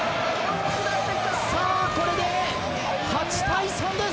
さあこれで８対３です。